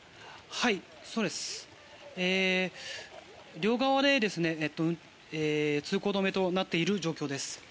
両側で通行止めとなっている状況です。